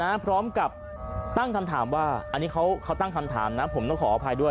พร้อมกับตั้งคำถามว่าอันนี้เขาเขาตั้งคำถามนะผมต้องขออภัยด้วย